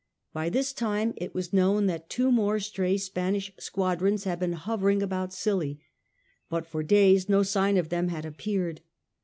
By this time it was known that two more stray Spanish squadrons had been hovering about Scilly. But for days no sign of them had appeared.